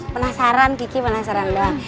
penasaran kiki penasaran doang